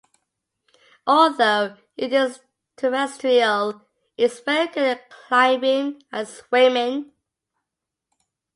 Although it is terrestrial, it is very good at climbing and swimming.